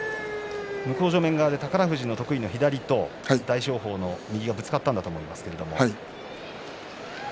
向正面側で宝富士の得意の左と大翔鵬の右がぶつかったと思いますが。